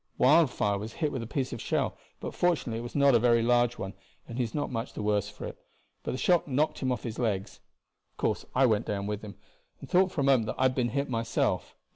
Wildfire was hit with a piece of shell, but fortunately it was not a very large one, and he is not much the worse for it, but the shock knocked him off his legs; of course I went down with him, and thought for a moment I had been hit myself.